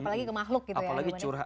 apalagi ke makhluk gitu ya apalagi curhat